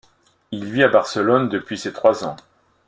Il vit à Barcelone depuis ses trois ans.